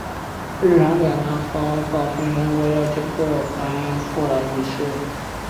日常点燃和保存神火要经过繁复的仪式。